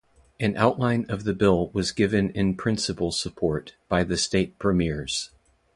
An outline of the Bill was given in-principle support by the State Premiers.